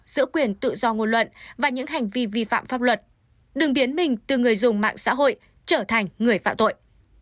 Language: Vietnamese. giữa quyền tự do ngôn luận và những hành vi vi phạm pháp luật đường biến mình từ người dùng mạng xã hội trở thành người phạm tội